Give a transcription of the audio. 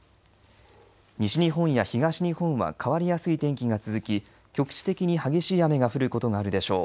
西日本や東日本は変わりやすい天気が続き局地的に激しい雨が降ることがあるでしょう。